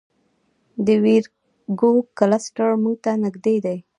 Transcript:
د ویرګو کلسټر موږ ته نږدې دی.